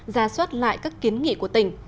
ra soát lại các kiến nghị của tỉnh